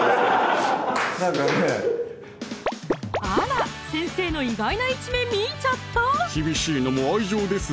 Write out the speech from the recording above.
あら先生の意外な一面見ちゃった厳しいのも愛情ですぞ